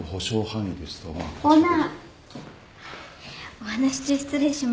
お話し中失礼します。